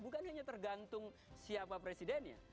bukan hanya tergantung siapa presidennya